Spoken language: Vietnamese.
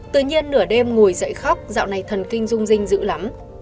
tự nhiên nửa đêm ngồi dậy khóc dạo này thần kinh rung rinh dữ lắm